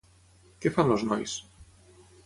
Què fan els nois?